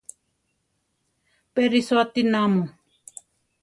¿Pé risoáti namu?